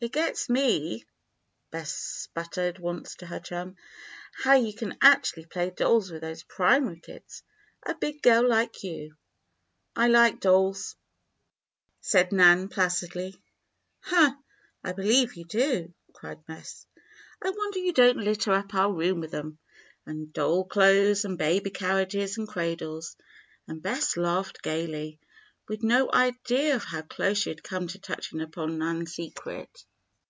"It gets me," Bess sputtered once to her chum, "how you can actually play dolls with those primary kids a big girl like you." "I like dolls," said Nan, placidly. "Huh! I believe you do," cried Bess. "I wonder you don't litter up our room with 'em and doll clothes and baby carriages and cradles," and Bess laughed gaily, with no idea of how close she had come to touching upon Nan's secret.